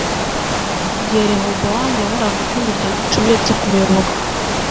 igihe rehobowamu yabonaga ko imiryango cumi iretse kumuyoboka